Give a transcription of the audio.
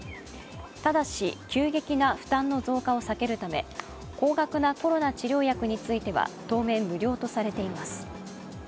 ただし急激な負担の増加を避けるため高額なコロナ治療薬については当面無料とされています。